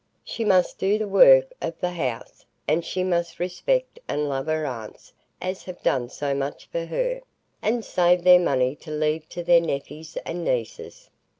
She must do the work o' the house, and she must respect and love her aunts as have done so much for her, and saved their money to leave to their nepheys and nieces."